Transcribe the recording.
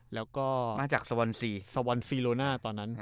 แล้วก็มาจากสวรรค์๔สวรรฟีโลน่าตอนนั้น